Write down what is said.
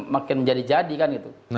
makin menjadi jadi kan